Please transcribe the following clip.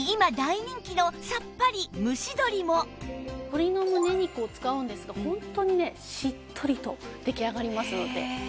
鶏のむね肉を使うんですがホントにねしっとりと出来上がりますので。